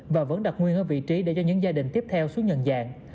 và vẫn đặt nguyên ở vị trí để cho những gia đình tiếp theo xuống nhận dạng